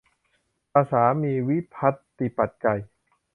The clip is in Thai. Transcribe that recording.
ภาษามีวิภัตติปัจจัย